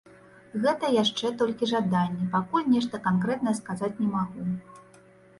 Гэта яшчэ толькі жаданне, пакуль нешта канкрэтнае сказаць не магу.